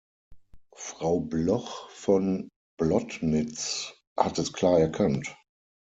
Frau Bloch von Blottnitz hat es klar erkannt.